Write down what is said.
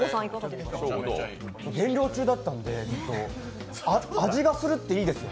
減量中だったんで、ずっと味がするっていいですね。